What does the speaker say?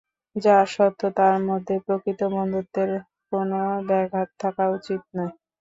যা সত্য তার মধ্যে প্রকৃত বন্ধুত্বের কোনো ব্যাঘাত থাকা উচিত নয়।